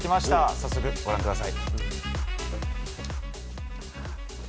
早速、ご覧ください。